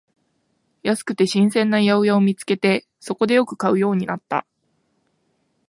安くて新鮮な八百屋を見つけて、そこでよく買うようになった